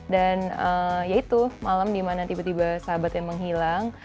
dan ya itu malem dimana tiba tiba sahabatnya menghilang